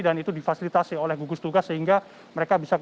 dan itu difasilitasi oleh gugus tugas sehingga mereka bisa